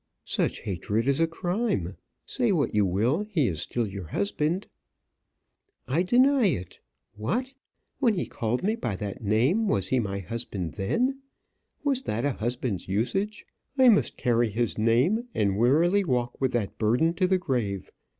"Such hatred is a crime. Say what you will, he is still your husband." "I deny it. What! when he called me by that name, was he my husband then? Was that a husband's usage? I must carry his name, and wearily walk with that burden to the grave.